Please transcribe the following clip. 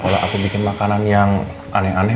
kalau aku bikin makanan yang aneh aneh